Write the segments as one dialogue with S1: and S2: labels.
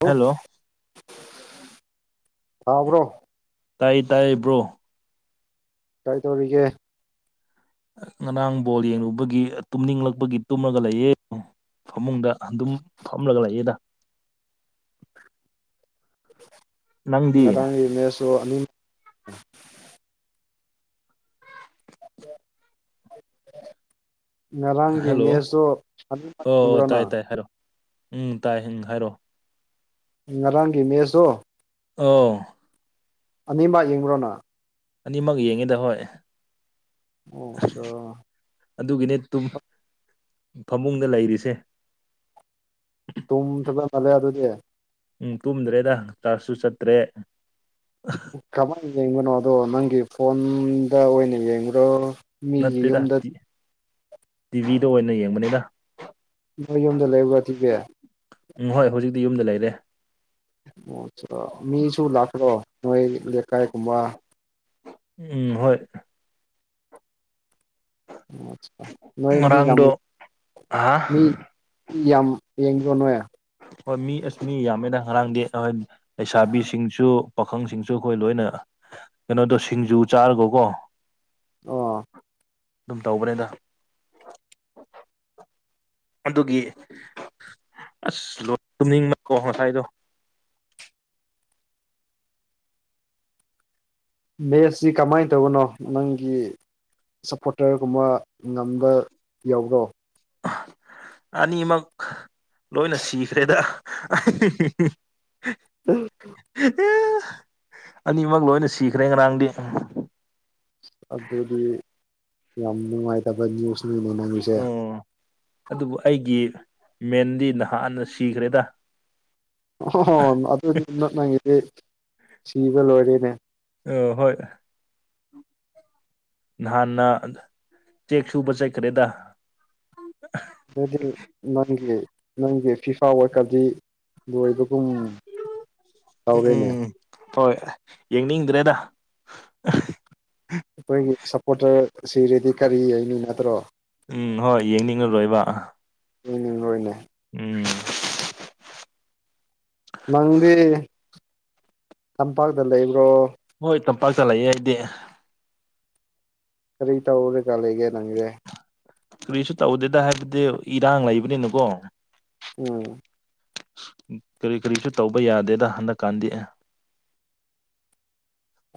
S1: ꯂꯣ
S2: hello
S1: ꯇꯥꯕꯔꯣ
S2: ꯇꯥꯏꯌꯦ ꯇꯥꯏꯌꯦꯕ꯭ꯔꯣ
S1: ꯀꯩꯗꯧꯔꯤꯒꯦ
S2: ꯉꯔꯥꯡ ꯕꯣꯜ ꯌꯦꯡꯒꯨꯕꯒꯤ ꯇꯨꯝꯅꯤꯡꯂꯛꯄꯒꯤ ꯇꯨꯝꯂꯒ ꯂꯩꯌꯦ ꯐꯃꯨꯡꯗ ꯑꯗꯨꯝ ꯐꯝꯂꯒ ꯂꯩꯌꯦꯗ ꯅꯪꯗꯤ
S1: ꯉꯔꯥꯡꯒꯤ ꯃꯦꯁꯁꯨ ꯑꯅꯤ ꯉꯔꯥꯡꯒꯤ
S2: ꯍꯜꯂꯣ
S1: ꯃꯦꯁꯇꯣ
S2: ꯑꯣ ꯑꯣ
S1: [unintelligible]
S2: ꯇꯥꯏ
S1: ꯅꯪ
S2: ꯇꯥꯏ ꯍꯥꯏꯔꯣ ꯎꯝ ꯇꯥꯏ ꯎꯝ ꯍꯥꯏꯔꯛꯑꯣ
S1: ꯉꯔꯥꯡꯒꯤ ꯃꯦꯁꯇꯣ
S2: ꯑꯣ
S1: ꯑꯅꯤꯃꯛ ꯌꯦꯡꯕ꯭ꯔꯣ ꯅꯪ
S2: ꯑꯅꯤꯃꯛ ꯌꯦꯡꯉꯤꯗ ꯍꯣꯏ
S1: ꯑꯣ ꯑꯆꯥ
S2: ꯑꯗꯨꯒꯤꯅꯦ ꯇꯨꯝ ꯐꯃꯨꯡꯗ ꯂꯩꯔꯤꯁꯦ
S1: ꯇꯨꯝ ꯊꯥꯕꯅ ꯐꯂꯦ ꯑꯗꯨꯗꯤ
S2: ꯎꯝ ꯇꯨꯝꯗ꯭ꯔꯦꯗ ꯀꯂ꯭ꯥꯁꯁꯨ ꯆꯠꯇ꯭ꯔꯦ
S1: ꯀꯃꯥꯏꯅ ꯌꯦꯡꯕꯅꯣ ꯑꯗꯣ ꯅꯪꯒꯤ ꯐꯣꯟꯗ ꯑꯣꯏꯅ ꯌꯦꯡꯕ꯭ꯔꯣ ꯃꯤꯒꯤ
S2: ꯅꯠꯇꯦꯗ
S1: ꯌꯨꯝꯗ
S2: ꯇꯤꯚꯤꯗ ꯑꯣꯏꯅ ꯌꯦꯡꯕꯅꯤꯗ
S1: ꯅꯣꯏ ꯌꯨꯝꯗ ꯂꯩꯕꯥꯔꯥ ꯇꯤꯚꯤ
S2: ꯎꯝ ꯍꯣꯏ ꯍꯧꯖꯤꯛꯇꯤ ꯌꯨꯝꯗ ꯂꯩꯔꯦ
S1: ꯑꯣ ꯑꯆꯥ ꯃꯤꯁꯨ ꯂꯥꯛꯄ꯭ꯔꯣ ꯅꯣꯏ ꯂꯩꯀꯥꯏꯒꯨꯝꯕ
S2: ꯎꯝ ꯍꯣꯏ
S1: ꯅꯣꯏ ꯃꯤ ꯌꯥꯝ
S2: ꯉꯔꯥꯡꯗꯣ ꯑ
S1: ꯃꯤ ꯃꯤ ꯌꯥꯝ ꯌꯦꯡꯕꯔꯣ ꯅꯣꯏ
S2: ꯍꯣꯏ ꯃꯤ ꯑꯁ ꯃꯤ ꯌꯥꯝꯃꯦꯗ ꯉꯔꯥꯡꯗꯤ ꯂꯩꯁꯥꯕꯤꯁꯤꯡꯁꯨ ꯄꯥꯈꯪꯁꯤꯡꯁꯨ ꯑꯩꯈꯣꯏ ꯂꯣꯏꯅ ꯀꯩꯅꯣꯗꯣ ꯁꯤꯡꯖꯨ ꯆꯥꯔꯒꯀꯣ
S1: ꯑꯣ
S2: ꯑꯗꯨꯝ ꯇꯧꯕꯅꯦꯗ ꯑꯗꯨꯒꯤ ꯑꯁ ꯂꯣꯠ ꯇꯨꯝꯅꯤꯡꯕꯀꯣ ꯉꯁꯥꯏꯗꯣ
S1: ꯃꯦꯁꯁꯤ ꯀꯃꯥꯏ ꯇꯧꯕꯅꯣ ꯅꯪꯒꯤ ꯁꯞꯄꯣ꯭ꯔꯇ꯭ꯔꯒꯨꯝꯕ ꯉꯝꯕ ꯌꯥꯕ꯭ꯔꯣ
S2: ꯑꯅꯤꯃꯛ ꯂꯣꯏꯅ ꯁꯤꯈ꯭ꯔꯦꯗ [inaudible]
S1: [unintelligible]
S2: [unintelligible] ꯑꯅꯤꯃꯛ ꯂꯣꯏꯅ ꯁꯤꯈ꯭ꯔꯦ ꯉꯔꯥꯡꯗꯤ
S1: ꯑꯗꯨꯗꯤ ꯌꯥꯝ ꯅꯨꯡꯉꯥꯏꯇꯕ ꯅ꯭ꯌꯨꯁꯅꯤꯅꯦ ꯅꯪꯁꯤ
S2: ꯎꯝ ꯑꯗꯨꯕꯨ ꯑꯩꯒꯤ ꯃꯦꯟꯗꯤ ꯅꯍꯥꯟꯅ ꯁꯤꯈ꯭ꯔꯦꯗ
S1: ꯑꯣ ꯑꯗꯨꯗꯤ [unintelligible] ꯁꯤꯕ ꯂꯣꯏꯔꯦꯅꯦ
S2: ꯑ ꯍꯣꯏ ꯅꯍꯥꯟꯅ ꯆꯦꯛ ꯁꯨꯕ ꯆꯠꯈꯔꯦ ꯗꯥ
S1: ꯑꯗꯨꯗꯤ ꯅꯪꯒꯤ ꯅꯪꯒꯤ ꯐꯤꯐꯥ ꯋꯥꯔꯟ ꯀꯞ ꯇꯤ ꯂꯣꯏꯕꯒꯨꯝ
S2: ꯎꯝ
S1: ꯇꯧꯔꯦꯅꯦ
S2: ꯎꯝ ꯍꯣꯏ ꯌꯦꯡꯅꯤꯡꯗ꯭ꯔꯦꯗ
S1: ꯑꯩꯈꯣꯏꯒꯤ ꯁꯞꯄꯣꯔꯇꯔ ꯁꯤꯔꯗꯤ ꯀꯔꯤ ꯌꯦꯡꯅꯤꯒꯗꯔꯣ
S2: ꯎꯝ ꯍꯣꯏ ꯌꯦꯡꯅꯤꯡꯉꯔꯣꯏꯕ
S1: ꯎꯝ ꯎꯝ ꯍꯣꯏꯅꯦ
S2: ꯎꯝ [inaudible]
S1: ꯅꯪꯗꯤ ꯇꯝꯄꯥꯛꯇ ꯂꯩꯕ꯭ꯔꯣ
S2: ꯍꯣꯏ ꯇꯝꯄꯥꯛꯇ ꯂꯩꯌꯦ ꯑꯩꯗꯤ
S1: ꯀꯔꯤ ꯇꯧ ꯔꯥ ꯒꯥ ꯂꯩꯒꯦ ꯅꯪꯁꯦ
S2: ꯀꯔꯤꯁꯨ ꯇꯧꯗꯦꯗ ꯍꯥꯏꯕꯗꯤ ꯏꯔꯥꯡ ꯂꯩꯕꯅꯤꯅꯥꯀꯣ
S1: ꯎꯝ
S2: ꯀꯔꯤ ꯀꯔꯤꯁꯨ ꯇꯧꯕ ꯌꯥꯗꯦꯗ ꯍꯟꯗꯛꯀꯥꯟꯗꯤ ꯑꯦ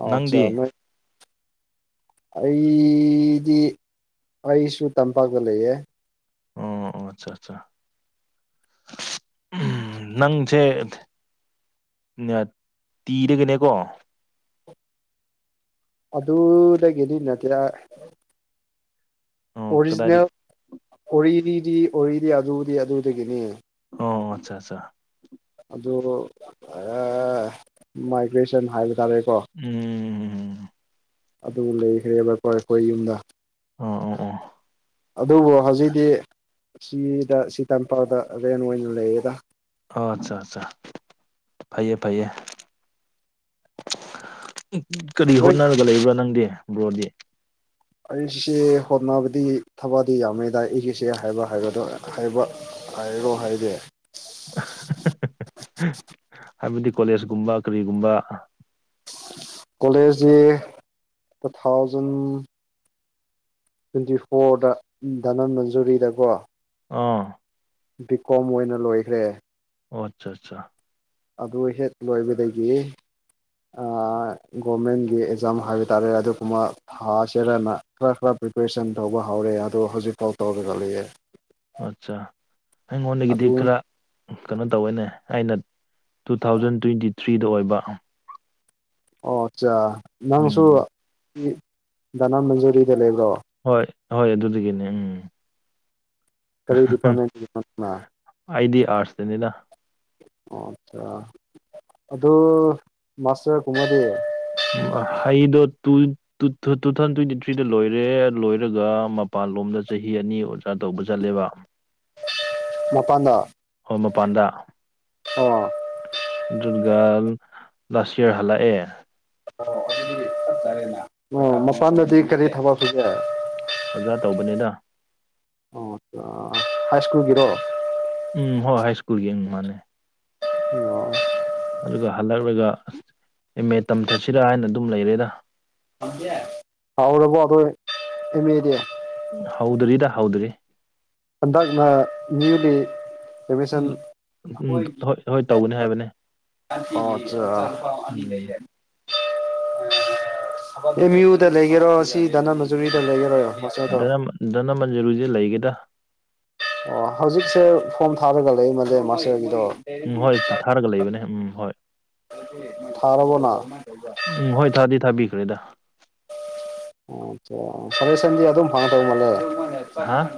S1: ꯑꯆꯥ
S2: ꯅꯪꯗꯤ
S1: ꯅꯣꯏ [inaudible] ꯑꯩꯗꯤ ꯑꯩꯁꯨ ꯇꯝꯄꯥꯛꯇ ꯂꯩꯌꯦ
S2: ꯑꯣꯝ ꯑꯆꯥ ꯑꯆꯥ [inaudible] ꯅꯪꯁꯦ ꯇꯤꯔꯒꯅꯦꯀꯣ
S1: ꯑꯗꯨꯗꯗꯒꯤꯗꯤ ꯅꯠꯇꯦ
S2: ꯑꯣ ꯀꯗꯥꯏꯗꯤ
S1: ꯑꯣꯔꯤꯖꯤꯅꯦꯜ ꯑꯣꯔꯤꯅꯤꯗꯤ ꯑꯣꯏꯔꯤꯗꯤ ꯑꯗꯨꯗꯤ ꯑꯗꯨꯗꯒꯤꯅꯤ
S2: ꯑꯣ ꯑꯠꯆꯥ ꯑꯆꯥ
S1: ꯑꯗꯨ ꯑ ꯃꯥꯏꯒ꯭ꯔꯦꯁꯟ ꯍꯥꯏꯕ ꯇꯥꯔꯦꯀꯣ
S2: ꯎꯝ
S1: ꯑꯗꯨ ꯂꯩꯈ꯭ꯔꯦꯕꯣꯏ ꯑꯩꯈꯣꯏ ꯌꯨꯝꯗ
S2: ꯑꯣ ꯑꯣ ꯑꯣ
S1: ꯑꯗꯨꯕꯨ ꯍꯧꯖꯤꯛꯇꯤ ꯁꯤꯗ ꯁꯤ ꯇꯝꯄꯥꯛꯗ ꯔꯦꯟ ꯑꯣꯏꯅ ꯂꯩꯌꯦꯗ
S2: ꯑꯣ ꯑꯠꯆꯥ ꯑꯠꯆꯥ ꯐꯩꯌꯦ ꯐꯩꯌꯦ ꯀꯔꯤ
S1: ꯍꯣꯏ
S2: ꯍꯣꯠꯅꯔꯒ ꯂꯩꯕ꯭ꯔꯥ ꯅꯪꯗꯤ ꯕ꯭ꯔꯣꯗꯤ
S1: ꯑꯩꯁꯦ ꯍꯣꯠꯅꯕꯗꯤ ꯊꯕꯗꯤ ꯌꯥꯝꯃꯦꯗꯥꯏ ꯑꯩꯒꯤꯁꯦ ꯍꯥꯏꯕ ꯍꯥꯏꯕꯗꯣ ꯍꯥꯏꯕ ꯍꯥꯏꯔꯣ ꯍꯥꯏꯗꯤ
S2: ꯍꯥꯏꯕꯗꯤ ꯀꯣꯂꯦꯖꯀꯨꯝꯕ ꯀꯔꯤꯒꯨꯝꯕ
S1: ꯀꯣꯂꯦꯖꯁꯤ ꯇꯨ ꯊꯥꯎꯖꯟ ꯇ꯭ꯋꯦꯟꯇꯤ ꯐꯣꯔꯗ ꯙꯅꯟ ꯃꯟꯖꯨꯔꯤꯗꯀꯣ
S2: ꯑꯥ
S1: ꯕꯤ ꯀꯣꯝ ꯑꯣꯏꯅ ꯂꯣꯏꯈ꯭ꯔꯦ
S2: ꯑꯣ ꯑꯠꯆꯥ ꯑꯠꯆꯥ
S1: ꯑꯗꯨ ꯍꯦꯛ ꯂꯣꯏꯕꯗꯒꯤ ꯒꯣꯔꯃꯦꯟꯒꯤ ꯑꯦꯛꯖꯥꯝ ꯍꯥꯏꯕ ꯇꯥꯔꯦ ꯑꯗꯨꯒꯨꯝꯕ ꯊꯥ ꯆꯦꯔꯅ ꯈꯔ ꯈꯔ ꯄ꯭ꯔꯤꯄꯦꯔꯦꯁꯟ ꯇꯧꯕ ꯍꯧꯔꯦ ꯑꯗꯣ ꯍꯧꯖꯤꯛꯐꯥꯎ ꯇꯧꯔꯒ ꯂꯩꯌꯦ
S2: ꯑꯠꯆꯥ ꯑꯩꯉꯣꯟꯗꯒꯤꯗꯤ
S1: ꯑꯗꯨ
S2: ꯈꯔ ꯀꯩꯅꯣ ꯇꯧꯋꯦꯅꯦ ꯑꯩꯅ ꯇꯨ ꯊꯥꯎꯖꯟ ꯇ꯭ꯋꯦꯟꯇꯤ ꯊ꯭ꯔꯤꯗ ꯑꯣꯏꯕ
S1: ꯑꯣ ꯑꯠꯆꯥ ꯅꯪꯁꯨ
S2: ꯎꯝ
S1: ꯙꯅꯥ ꯃꯟꯖꯨꯔꯤꯗ ꯂꯩꯕ꯭ꯔꯣ
S2: ꯍꯣꯏ ꯍꯣꯏ ꯑꯗꯨꯗꯒꯤꯅꯦ ꯎꯝ
S1: ꯀꯔꯤ ꯗꯤꯄꯥꯔꯠꯃꯦꯟꯒꯤ ꯅꯪꯅ
S2: ꯑꯥꯏꯗꯤ ꯑꯔꯠꯁꯇꯅꯤꯗ
S1: ꯑꯣ ꯑꯆꯥ ꯑꯗꯨ ꯃꯥꯁꯇꯔ ꯀꯨꯝꯃꯗꯤ
S2: ꯍꯩꯗꯣ two. Two two thousand twenty ꯊ꯭ꯔꯤꯗ ꯂꯣꯏꯔꯦ ꯂꯣꯏꯔꯒ ꯃꯄꯥꯟ ꯂꯣꯝꯗ ꯆꯍꯤ ꯑꯅꯤ ꯑꯣꯖ ꯇꯧꯕ ꯆꯠꯂꯦꯕ
S1: ꯃꯄꯥꯟꯗ
S2: ꯍꯣ ꯃꯄꯥꯟꯗ
S1: ꯑꯣ
S2: ꯖꯨꯠꯒ ꯂꯥꯁ ꯏꯌꯥꯔ ꯍꯜꯂꯥꯛ ꯑꯥ
S1: ꯃꯄꯥꯟꯗꯗꯤ ꯀꯔꯤ ꯊꯕꯛ ꯐꯒꯦ
S2: ꯑꯣꯖꯥ ꯇꯧꯕꯅꯤꯗ
S1: ꯑꯣ ꯍꯥꯏ ꯁ꯭ꯀꯨꯜꯒꯤꯔꯣ
S2: ꯎꯝ ꯍꯣꯏ ꯍꯥꯏ ꯁ꯭ꯀꯨꯜꯒꯤ ꯃꯥꯅꯦ
S1: ꯑꯣ
S2: ꯑꯗꯨꯒ ꯍꯜꯂꯛꯂꯒ ꯑꯦꯝ ꯃꯦ ꯇꯝꯊꯁꯤꯔꯥ ꯍꯥꯏꯅ ꯑꯗꯨꯝ ꯂꯩꯔꯦꯗ
S1: [unintelligible] ꯍꯥꯎꯔꯕꯣ ꯅꯣꯢ ꯑꯦꯃꯦꯗꯤ
S2: ꯍꯧꯗ꯭ꯔꯤꯗ ꯍꯧꯗ꯭ꯔꯤ
S1: ꯑꯟꯗꯛꯅ ꯅ꯭ꯌꯨꯂꯤ ꯑꯦꯗꯃꯤꯁꯟ
S2: ꯎꯝ
S1: ꯑꯩꯈꯣꯏꯒꯤ
S2: ꯍꯣꯏ ꯍꯣꯏ ꯇꯧꯒꯅꯤ ꯍꯥꯏꯕꯅꯦ
S1: [unintelligible] ꯑꯅꯤ ꯂꯩ
S2: [inaudible]
S1: ꯑꯦꯝꯌꯨꯗ ꯂꯩꯒꯦꯔꯣ ꯁꯤ ꯗꯅꯥ ꯃꯟꯖꯨꯔꯤꯗ ꯂꯩꯒꯦꯔꯣ ꯃꯥꯁꯇꯔꯗꯣ
S2: ꯙꯅ ꯙꯅꯃꯟꯖꯔꯤꯨꯁꯦ ꯂꯩꯒꯦꯗ
S1: ꯑꯣ ꯍꯧꯖꯤꯛꯁꯦ ꯐꯣꯝ ꯊꯥꯔꯒ ꯂꯩꯃꯜꯂꯦ ꯃꯥꯁꯇꯔꯒꯤꯗꯣ
S2: ꯎꯝ ꯍꯣꯏ ꯊꯥꯔꯒ ꯂꯩꯕꯅꯦ ꯎꯝ ꯍꯣꯏ
S1: ꯊꯥꯔꯕꯣꯅ
S2: ꯎꯝ ꯍꯣꯏ ꯊꯥꯗꯤ ꯊꯥꯕꯤꯈ꯭ꯔꯦꯗ
S1: ꯐꯔꯦ ꯁꯟꯗꯤ ꯑꯗꯨꯝ ꯐꯪꯉ ꯇꯧ ꯃꯥꯜꯂꯦ
S2: ꯍꯥ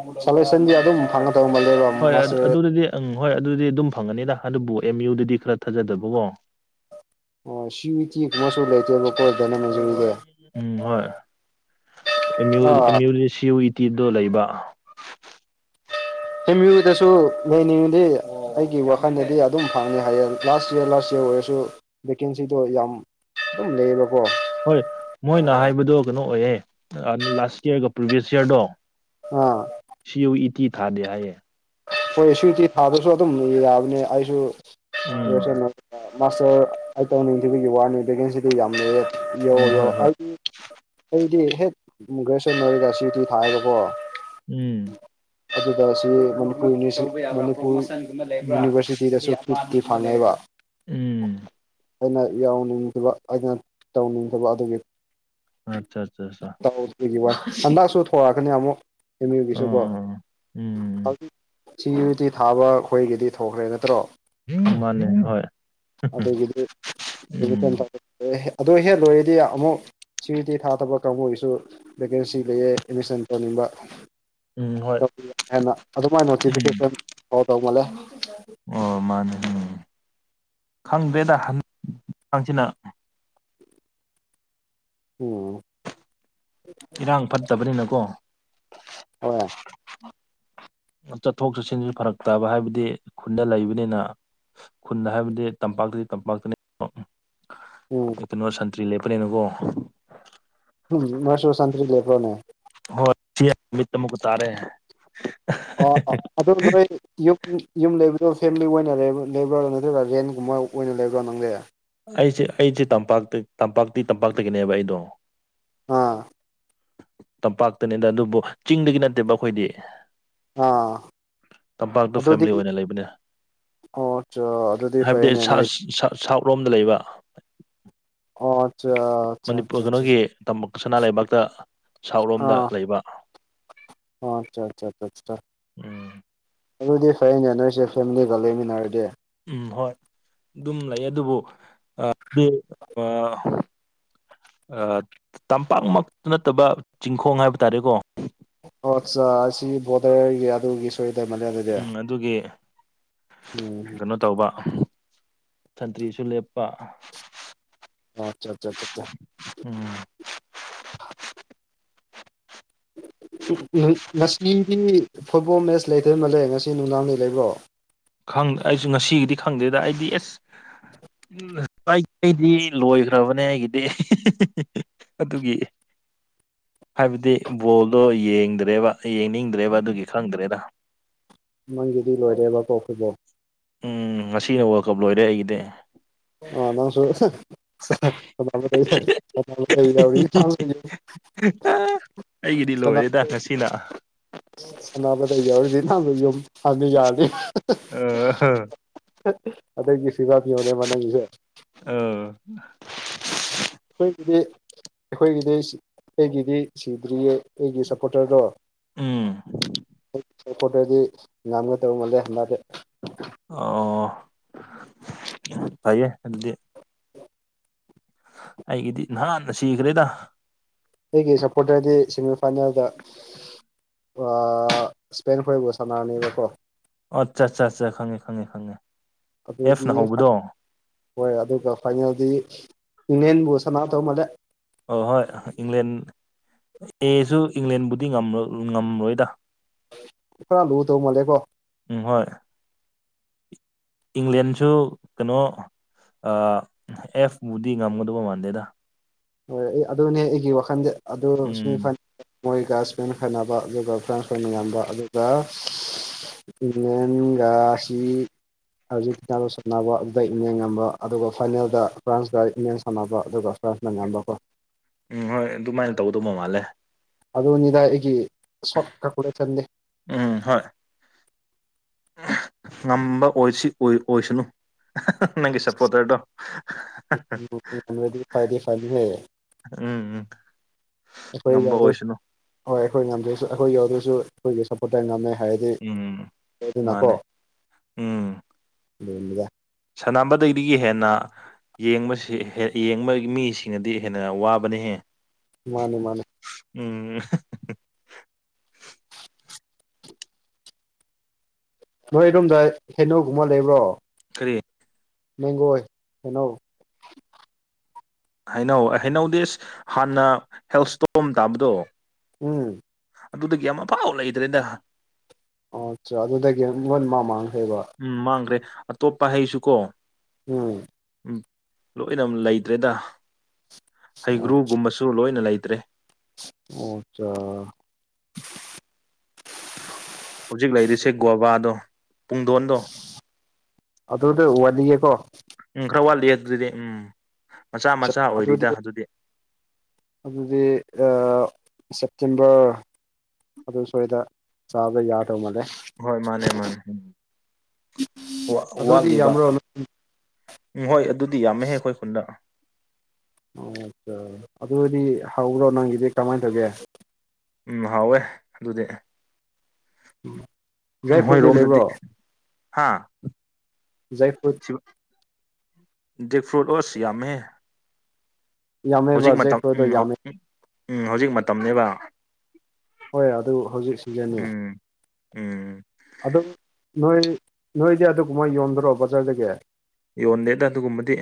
S1: [unintelligible] ꯁꯣꯂꯦꯁꯟꯗꯤ ꯑꯗꯨꯝ ꯐꯉꯥ ꯀꯥꯎꯃꯜꯂꯦꯕ
S2: ꯍꯣꯏ ꯑꯗꯨ ꯑꯗꯨꯗꯗꯤ ꯑꯪ ꯍꯣꯏ ꯑꯗꯨꯗꯤ ꯑꯗꯨꯝ ꯐꯪꯒꯅꯤꯗ ꯑꯗꯨꯕꯨ ꯑꯦꯝ ꯌꯨꯗꯗꯤ ꯈꯔ ꯊꯥꯖꯗꯕꯀꯣ
S1: ꯑꯣ ꯁꯤ ꯊꯤ ꯃꯁꯨ ꯂꯩꯇꯦꯕ ꯀꯣ ꯗꯟꯅ ꯃꯟꯖꯨꯔꯤꯒꯤ
S2: ꯎꯝ ꯍꯣꯏ ꯑꯦꯝꯌꯨ
S1: ꯑꯥ
S2: ꯑꯦꯝꯌꯨꯗ ꯗꯤ ꯁꯤꯨ ꯌꯨ ꯇꯤꯗꯣ ꯂꯩꯕ
S1: ꯑꯦꯝ ꯌꯨꯗꯁꯨ ꯂꯩꯅꯤꯡꯉꯗꯤ ꯑꯩꯒꯤ ꯋꯥꯈꯜꯗꯗꯤ ꯑꯗꯨꯝ ꯐꯪꯉꯦ ꯍꯥꯏꯌꯦꯡ ꯂꯥꯁ ꯏꯔ ꯂꯥꯁ ꯏꯔ ꯑꯣꯏꯔꯁꯨ ꯚꯦꯀꯦꯟꯁꯤꯗꯣ ꯌꯥꯝ ꯑꯗꯨꯝ ꯂꯩꯌꯦꯕꯀꯣ
S2: ꯍꯣꯏ ꯃꯣꯏꯅ ꯍꯥꯏꯕꯗꯣ ꯀꯩꯅꯣ ꯑꯣꯏꯌꯦ ꯂꯥꯁ ꯢꯌꯥꯔꯒ ꯄ꯭ꯔꯤꯚꯦꯁ ꯢꯌꯔꯗꯣ
S1: ꯑ
S2: ꯁꯤ ꯌꯨ ꯏ ꯇꯤ ꯊꯥꯗꯦ ꯍꯥꯏꯌꯦ
S1: ꯍꯣꯏ ꯁꯤꯌꯨꯇꯤ ꯊꯥꯗꯁꯨ ꯑꯗꯨꯝ ꯌꯥꯕꯅꯦ ꯑꯩꯁꯨ
S2: ꯎꯝ
S1: [unintelligible] ꯃꯥꯁꯇꯔ ꯑꯩ ꯇꯧꯅꯤꯡꯊꯤꯕꯒꯤ ꯋꯥꯅꯤ ꯚꯦꯀꯦꯟꯁꯤꯗ ꯌꯥꯝꯅ ꯂꯩꯌꯦ
S2: ꯎꯝ ꯍꯣꯏ ꯍꯣꯏ
S1: UNINTELLIGIBLE ꯑꯩꯗꯤ ꯍꯦꯛ ꯒ꯭ꯔꯦꯖꯨꯑꯦꯁꯟ ꯑꯣꯏꯔꯒ ꯁꯤ ꯌꯨ ꯇꯤ ꯊꯥꯢꯕꯀꯣ
S2: ꯎꯝ
S1: ꯑꯗꯨꯗꯁꯨ ꯃꯅꯤꯄꯨꯔ ꯅꯤꯁꯨ ꯃꯅꯤꯄꯨꯔ ꯌꯨꯅꯤꯚꯔꯁꯤꯇꯤꯗꯁꯨ ꯅꯨꯡꯇꯤ ꯐꯅꯦꯕ [unintelligible]
S2: ꯎꯝ
S1: ꯑꯩꯅ ꯌꯥꯎꯅꯤꯡꯗꯕ ꯑꯩꯅ ꯇꯧꯅꯤꯡꯗꯕ ꯑꯗꯨꯒꯤ
S2: ꯑꯠꯆꯥ ꯆꯥ ꯆꯥ
S1: ꯒꯤ ꯋꯥ ꯍꯟꯗꯛꯁꯨ ꯊꯣꯔꯛꯀꯅꯤ ꯑꯃꯨꯛ ꯑꯦꯝ
S2: ꯑꯥ
S1: ꯌꯨꯒꯤꯁꯨꯀꯣ
S2: ꯑꯥ ꯎꯝ
S1: ꯁꯤ ꯌꯨꯇꯤ ꯊꯥꯕ ꯑꯩꯈꯣꯏꯒꯤꯗꯤ ꯊꯣꯛꯈ꯭ꯔꯦ ꯅꯠꯇ꯭ꯔꯣ
S2: ꯃꯥꯅꯦ ꯍꯣꯏ
S1: ꯑꯗꯨꯒꯤꯗꯤ
S2: ꯎꯝ
S1: [unintelligible] ꯑꯗꯨ ꯍꯦ ꯂꯣꯏꯔꯗꯤ ꯑꯃꯨꯛ ꯁꯤ ꯌꯨ ꯇꯤ ꯊꯥꯗꯕ ꯀꯥꯡꯕꯨꯒꯤꯁꯨ ꯚꯦꯀꯦꯟꯁꯤ ꯂꯩꯌꯦ ꯑꯦꯠꯃꯤꯁꯟ ꯇꯧꯅꯤꯡꯕ
S2: ꯎꯝ ꯍꯣꯏ
S1: ꯍꯦꯟꯅ ꯑꯗꯨꯃꯥꯏꯅ
S2: ꯎꯝ
S1: ꯅꯣꯇꯤꯐꯤꯀꯦꯁꯟ ꯇꯧꯃꯜꯂꯦ
S2: ꯑꯣ ꯃꯥꯅꯦ ꯎꯝ ꯈꯪꯗꯦꯗꯥ UNINTELLIGIBLE
S1: ꯎꯝ
S2: ꯏꯔꯥꯡ ꯐꯠꯇꯕꯅꯤꯅꯀꯣ
S1: ꯍꯣꯏ
S2: ꯆꯠꯊꯣꯛ ꯆꯠꯁꯤꯟꯁꯨ ꯐꯔꯛꯇꯕ ꯍꯥꯏꯕꯗꯤ ꯈꯨꯟꯗ ꯂꯩꯕꯅꯤꯅ ꯈꯨꯟ ꯍꯥꯏꯕꯗꯤ ꯇꯝꯄꯥꯛꯇꯒꯤ ꯇꯝꯄꯥꯛꯇꯅꯤ ꯑꯣ ꯎꯝ ꯀꯩꯅꯣ ꯁꯟꯇ꯭ꯔꯤ ꯂꯦꯞꯄꯅꯤꯅꯀꯣ
S1: ꯎꯝ ꯃꯔꯁꯨ ꯁꯇ꯭ꯔꯤ ꯂꯦꯄ꯭ꯔꯣꯅꯦ
S2: UNINTELLIGIBLE ꯇꯥꯔꯦ
S1: ꯑꯣ ꯑ ꯑꯗꯣ ꯅꯣꯏ ꯌꯨꯝ ꯌꯨꯝ ꯂꯩꯕꯗꯣ ꯐꯦꯃꯤꯂꯤ ꯑꯣꯏꯅ ꯂꯩꯕ꯭ꯔꯣ ꯂꯩꯕ꯭ꯔꯣ ꯅꯠꯇ꯭ꯔꯒ ꯔꯦꯟꯒꯨꯝꯕ ꯑꯣꯏꯅ ꯂꯩꯕ꯭ꯔꯥ ꯅꯪ ꯗꯤ
S2: ꯑꯩꯁꯦ ꯑꯩꯁꯦ ꯇꯝꯄꯥꯛꯇ ꯇꯝꯄꯥꯛꯇꯤ ꯇꯝꯄꯥꯛꯇꯒꯤꯅꯦꯕ ꯑꯩꯗꯣ
S1: ꯑꯥ
S2: ꯇꯝꯄꯥꯛꯇꯅꯦꯗ ꯑꯗꯨꯕꯨ ꯆꯤꯡꯗꯒꯤ ꯅꯠꯇꯦꯕ ꯑꯩꯈꯣꯏꯗꯤ
S1: ꯑꯥ
S2: ꯇꯝꯄꯥꯛꯇ
S1: ꯑꯗꯨꯗꯤ
S2: ꯐꯦꯝꯃꯂꯤ ꯑꯣꯏꯅ ꯂꯩꯕꯅꯦ
S1: ꯑꯣ ꯑꯠꯆꯥ ꯑꯗꯨꯗꯤ
S2: ꯍꯥꯏꯕꯗꯤ
S1: ꯐꯩꯅꯦ
S2: ꯁꯥ
S1: ꯅꯣꯏ
S2: ꯁꯥ ꯁꯥꯎꯠ ꯂꯣꯝꯗ ꯂꯩꯕ
S1: ꯑꯣ ꯑꯠꯆꯥ
S2: ꯃꯅꯤꯄꯨꯔ ꯀꯩꯅꯣꯒꯤ ꯇꯝꯕꯛ ꯁꯅꯥ ꯂꯩꯕꯥꯛꯇ ꯁꯥꯎꯠ ꯂꯣꯝꯗ
S1: ꯑꯥ
S2: ꯂꯩꯕ
S1: ꯑꯣ ꯑꯆꯥ ꯑꯆꯥ ꯑꯆꯥꯆꯥ
S2: ꯎꯝ
S1: ꯑꯗꯨꯗꯤ ꯐꯩꯅꯦ ꯅꯣꯏꯁꯦ ꯐꯦꯃꯤꯂꯤꯒ ꯂꯩꯃꯤꯟꯅꯔꯗꯤ
S2: ꯎꯝ ꯍꯣꯏ ꯑꯗꯨꯝ ꯂꯩ ꯑꯗꯨꯕꯨꯗꯤ [unintelligible] ꯑ ꯇꯝꯄꯥꯛ ꯅꯠꯇꯕ ꯆꯤꯡꯈꯣꯡ ꯍꯥꯏꯕ ꯇꯥꯔꯦꯀꯣ
S1: ꯑꯣ ꯑꯠꯆꯥ ꯑꯁꯤ ꯕꯣꯔꯗꯔꯒꯤ ꯑꯗꯨꯒꯤ ꯁꯣꯏꯗꯃꯜꯂꯦ ꯑꯗꯨꯗꯤ
S2: ꯎꯝ ꯑꯗꯨꯒꯤ
S1: ꯎꯝ
S2: ꯀꯩꯅꯣ ꯇꯧꯕ ꯁꯟꯇ꯭ꯔꯤꯁꯨ ꯂꯦꯞꯄ
S1: ꯑꯣꯆꯥ ꯑꯆꯥꯆꯥꯆꯥ
S2: ꯎꯝ
S1: ꯉꯁꯤꯗꯤ ꯐꯨꯠꯕꯣꯜ ꯃꯦꯠꯁ ꯂꯩꯗꫭꯏ ꯃꯥꯜꯂꯦ ꯉꯁꯤ ꯅꯨꯡꯗꯥꯡꯗꯤ ꯂꯩꯕ꯭ꯔꯣ
S2: ꯈꯪ ꯑꯩꯁꯨ ꯉꯁꯤꯒꯤꯗꯤ ꯈꯪꯗꯦꯗ ꯑꯩꯗꯤ ꯑꯦꯁ ꯎꯝ ꯀꯀꯩꯗꯤ ꯂꯣꯏꯈ꯭ꯔꯕꯅꯦ ꯑꯩꯒꯤꯗꯤ ꯑꯗꯨꯒꯤ ꯍꯥꯏꯕꯗꯤ ꯕꯣꯜꯗꯣ ꯌꯦꯡꯗ꯭ꯔꯦꯕ ꯌꯦꯡꯅꯤꯡꯗ꯭ꯔꯦꯕ ꯑꯗꯨꯒꯤ ꯈꯪꯗ꯭ꯔꯦꯗ
S1: ꯃꯪꯒꯤꯗꯤ ꯂꯣꯏꯔꯦꯕꯀꯣ ꯐꯨꯠꯕꯣꯜ
S2: ꯎꯝ ꯉꯁꯤꯅ ꯋꯥꯔꯜꯀꯞ ꯂꯣꯏꯔꯦ ꯑꯩꯒꯤꯗꯤ
S1: ꯑ ꯅꯪꯁꯨ ꯍꯦꯛꯇ ꯀꯩꯔ [unintelligible]
S2: ꯑꯩꯒꯤꯗꯤ ꯂꯣꯏꯔꯦꯗ ꯉꯁꯤꯅ
S1: ꯑꯅꯥꯕꯗ ꯌꯥꯎꯔꯤꯗꯤ ꯅꯍꯥꯟꯗ ꯌꯨꯝ ꯍꯥꯟꯗ ꯌꯥꯔꯗꯤ
S2: ꯑ
S1: ꯑꯗꯒꯤ ꯁꯤꯗꯥ ꯌꯧꯅꯦꯕ ꯅꯪꯒꯤꯁꯦ
S2: ꯑ
S1: ꯑꯩꯈꯣꯏꯒꯤꯗꯤ ꯑꯩꯈꯣꯏꯒꯤꯗꯤ ꯑꯩꯒꯤꯗꯤ ꯁꯤꯗ꯭ꯔꯤꯌꯦ ꯑꯩꯒꯤ ꯁꯞꯄꯣꯔꯇꯔꯗꯣ
S2: ꯎꯝ
S1: [unintelligible] ꯉꯝꯒ ꯇꯧ ꯃꯥꯜꯂꯦ ꯍꯝꯕꯗꯦ
S2: ꯑꯣ ꯐꯩꯌꯦ ꯑꯗꯨꯗꯤ ꯑꯩꯒꯤꯗꯤ ꯅꯍꯥꯟꯅ ꯁꯤꯈ꯭ꯔꯦꯗ
S1: ꯑꯩꯒꯤ ꯁꯞꯄꯣꯔꯇꯔꯗꯤ ꯁꯦꯃꯤꯐꯥꯏꯅꯦꯜꯗ ꯁ꯭ꯄꯦꯟ ꯐꯥꯎ ꯕꫭꯜ ꯁꯥꯟꯅꯅꯤꯕꯀꯣ
S2: ꯑꯣ ꯑꯠꯆꯥ ꯑꯠꯆꯥꯠꯆꯥ ꯈꯪꯉꯦ ꯈꯉꯦ ꯈꯪꯉꯦ
S1: ꯑꯗꯨꯗꯤ
S2: ꯑꯦꯐꯅ ꯍꯧꯕꯗꯣ
S1: ꯍꯣꯏ ꯑꯗꯨꯒ ꯐꯥꯏꯅꯦꯜꯗꯤ ꯏꯪꯂꯦꯟꯕꯨ ꯁꯅꯥ ꯇꯧ ꯃꯥꯜꯂꯦ
S2: ꯑ ꯍꯣꯏ ꯏꯪꯂꯦꯟ ꯑꯦꯁꯨ ꯏꯪꯂꯦꯟꯕꯨꯗꯤ ꯉꯝꯔꯣꯏꯗ
S1: ꯄꯨꯔ ꯂꯨꯗꯧ ꯃꯥꯜꯂꯦꯀꯣ
S2: ꯎꯝ ꯍꯣꯏ ꯏꯪꯂꯦꯟꯁꯨ ꯀꯩꯅꯣ ꯑꯦꯐꯕꯨꯗꯤ ꯉꯝꯒꯗꯕ ꯃꯥꯟꯗꯦꯗ
S1: ꯍꯣꯏ ꯑꯩ ꯑꯗꯨꯅꯦ ꯑꯩꯒꯤ ꯋꯥꯈꯟꯗ ꯑꯗꯨ
S2: ꯎꯝ
S1: ꯃꯣꯏꯒ ꯁꯃꯦꯟ ꯐꯅꯕ ꯑꯗꯨꯒ ꯆꯥꯟꯁ ꯑꯣꯏꯅ ꯌꯥꯝꯕ ꯑꯗꯨꯒ ꯏꯪꯂꯦꯟꯒꯁꯤ ꯑꯥꯔꯖꯦꯟꯇꯤꯅꯥꯗ ꯁꯥꯟꯅꯕ ꯑꯗꯨꯗ ꯏꯃꯦ ꯉꯝꯕ ꯑꯗꯨꯒ ꯐꯥꯏꯅꯦꯜꯗ ꯐ꯭ꯔꯥꯟꯁꯀ ꯏꯃꯦꯟ ꯁꯥꯟꯅꯕ ꯑꯗꯨꯒ ꯐ꯭ꯔꯥꯟꯁ ꯅꯪꯉꯝꯕꯀꯣ
S2: ꯎꯝ ꯍꯣꯏ ꯑꯗꯨꯃꯥꯏꯅ ꯇꯧꯗꯧꯕ ꯃꯥꯜꯂꯦ
S1: ꯑꯗꯨꯅꯤꯗ ꯑꯩꯒꯤ ꯁꯣꯔꯠ ꯀꯛꯄꯗ ꯆꯜꯂꯦ
S2: ꯎꯝ ꯍꯣꯏ ꯉꯝꯕ ꯑꯣꯏꯁꯤ ꯑꯣꯏꯁꯅꯨ [unintelligible] ꯅꯪꯒꯤ ꯁꯄꯣꯔꯇꯔꯗꯣ
S1: ꯉꯝꯔꯗꯤ ꯐꯗꯤ ꯐꯅꯤꯍꯦ
S2: ꯎꯝ ꯎꯝ
S1: ꯑꯩꯈꯣꯏ
S2: ꯉꯝꯕ
S1: ꯌꯥꯎꯗ꯭ꯔꯁꯨ
S2: ꯑꯣꯏꯁꯅꯨ
S1: ꯍꯣꯏ ꯑꯩꯈꯣꯏ ꯉꯝꯗ꯭ꯔꯁꯨ ꯑꯩꯈꯣꯏ ꯌꯥꯎꯗ꯭ꯔꯁꯨ ꯑꯩꯈꯣꯏꯒꯤ ꯁꯞꯄꯣꯔꯠꯇꯔ ꯉꯝꯃꯦ ꯍꯥꯏꯔꯗꯤ
S2: ꯎꯝ ꯃꯥꯅꯦ
S1: [unintelligible] ꯑꯗꯨꯅꯤꯗ
S2: ꯁꯥꯟꯅꯕꯗꯩꯗꯒꯤ ꯍꯦꯟꯅ ꯌꯦꯡꯕꯁꯤ ꯌꯦꯡꯕꯒꯤ ꯃꯤꯁꯤꯡꯅꯗꯤ ꯍꯦꯟꯅ ꯋꯥꯕꯅꯤꯍꯦ
S1: ꯃꯥꯅꯦ ꯃꯥꯅꯦ
S2: ꯎꯝ [unintelligible]
S1: ꯅꯣꯏꯔꯣꯝꯗ ꯍꯦꯅꯧꯒꯨꯝꯕ ꯂꯩꯕ꯭ꯔꯣ
S2: ꯀꯔꯤ
S1: ꯃꯦꯡꯒꯣꯏ ꯍꯦꯅꯧ
S2: ꯍꯩꯅꯧ ꯍꯩꯅꯧꯗꯦꯁ ꯍꯥꯟꯅ ꯍꯦꯜꯁꯇꯣꯝ ꯇꯥꯕꯗꯣ
S1: ꯎꯝ
S2: ꯑꯗꯨꯗꯒꯤ ꯑꯃꯐꯥꯎ ꯂꯩꯇ꯭ꯔꯦꯗ
S1: ꯑꯣ ꯑꯠꯆꯥ ꯑꯗꯨꯗꯒꯤ ꯂꫭꯏꯅꯃꯛ ꯃꯥꯡꯈ꯭ꯔꯦꯕ
S2: ꯎꯝ ꯃꯥꯡꯈ꯭ꯔꯦ ꯑꯇꯣꯞꯄ ꯍꯩꯁꯨ ꯀꯣ
S1: ꯎꯝ
S2: ꯂꯣꯏꯅ ꯂꯩꯇ꯭ꯔꯦꯗ ꯍꯩꯒ꯭ꯔꯨꯒꯨꯝꯕꯁꯨ ꯂꯣꯏꯅ ꯂꯩꯇ꯭ꯔꯦ
S1: ꯑꯣ ꯑꯆꯥ
S2: ꯍꯧꯖꯤꯛ ꯂꯩꯔꯤꯁꯦ ꯒꯣꯕꯥꯗꯣ ꯄꯨꯡꯗꯣꯟꯗꯣ
S1: ꯑꯗꯨꯗꯤ ꯋꯥꯠꯂꯤꯌꯦꯀꯣ
S2: ꯎꯝ ꯈꯔ ꯋꯥꯠꯂꯤꯑ ꯑꯗꯨꯗꯤ ꯎꯝ ꯃꯆꯥ ꯃꯆꯥ ꯑꯣꯏꯔꯤꯗ ꯑꯗꯨꯗꯤ
S1: ꯑꯗꯨꯗꯤ ꯁꯦꯞꯇꯦꯝꯕꯔ ꯑꯗꯨ ꯁ꯭ꯋꯥꯏꯗ ꯆꯥꯕ ꯌꯥꯗꯧ ꯃꯥꯜꯂꯦ
S2: ꯍꯣꯏ ꯃꯥꯅꯦ ꯃꯥꯅꯦ
S1: ꯑꯗꯨꯗꯤ
S2: ꯋꯥꯠꯂꯤꯕ
S1: ꯌꯥꯝꯕ꯭ꯔꯣ
S2: ꯎꯝ ꯍꯣꯏ ꯑꯗꯨꯗꯤ ꯌꯥꯝꯃꯦꯍꯦ ꯑꯩꯈꯣꯏ ꯈꯨꯟꯗ
S1: ꯑꯣ ꯑꯆꯥ ꯑꯗꯨ ꯑꯣꯏꯔꯗꯤ ꯍꯧꯕ꯭ꯔꯣ ꯅꯪꯒꯤꯗꯤ ꯀꯃꯥꯏꯅ ꯇꯧꯒꯦ
S2: ꯎꯝ ꯍꯥꯎꯋꯦ ꯑꯗꯨꯗꯤ ꯎꯝ ꯍꯣꯏ
S1: ꯖꯩꯐꯨꯠꯗꯤ
S2: ꯔꯣꯝ ꯗꯗꯤ
S1: ꯂꯩꯕ꯭ꯔꯣ
S2: ꯍꯥ
S1: ꯖꯩꯐꯨꯠ
S2: ꯗꯛ ꯐ꯭ꯔꯨꯠ ꯑꯣꯁ ꯌꯥꯝꯃꯦ
S1: ꯌꯥꯝꯃꯦꯕ
S2: ꯍꯧꯖꯤꯛ ꯃꯇꯝ ꯎꯝ
S1: ꯖꯩꯐꯨꯠꯗꯣ ꯌꯥꯝꯃꯦ
S2: ꯎꯝ ꯎꯝ ꯍꯧꯖꯤꯛ ꯃꯇꯝꯅꯦꯕ
S1: ꯍꯣꯏ ꯑꯗꯨ ꯍꯧꯖꯤꯛ ꯁꯤꯖꯟꯅꯤ
S2: ꯎꯝ ꯎꯝ
S1: ꯑꯗꯨꯝ ꯅꯣꯏ ꯅꯣꯏꯗꯤ ꯑꯗꯨꯒꯨꯝꯃꯥꯏ ꯌꯣꯟꯝꯗꯔꯣ ꯕꯖꯥꯔꯗꯒꯤ
S2: ꯌꯣꯟꯗꯦꯗ ꯑꯗꯨꯒꯨꯝꯕꯗꯤ